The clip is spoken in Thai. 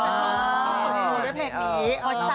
อ๋อด้วยเพลงนี้